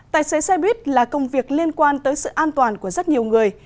tài xế xe buýt là công việc liên quan tới sự an toàn của rất nhiều người